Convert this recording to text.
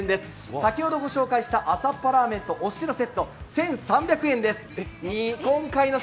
先ほどご紹介したあさっぱラーメンとおすしのセット、１３００円です。